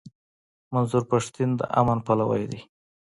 منظور پښتين د امن پلوی دی.